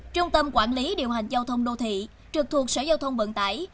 trung tâm quản lý điều hành giao thông đô thị trực thuộc sở giao thông vận tải